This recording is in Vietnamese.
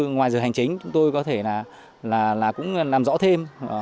ngoài giờ hành chính chúng tôi có thể là cũng làm rõ thêm